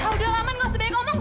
udah lama gak usah banyak ngomong